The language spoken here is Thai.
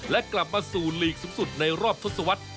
และกลับมาสู่ลีกสูงสุดในรอบทศวรรษ